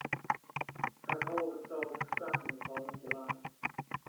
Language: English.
Her hull was sold for scrapping the following July.